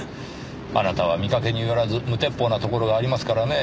あなたは見かけによらず無鉄砲なところがありますからねぇ。